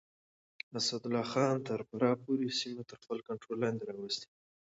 اسدالله خان تر فراه پورې سيمې تر خپل کنټرول لاندې راوستې.